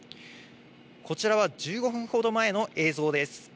こちらは１５分ほど前の映像です。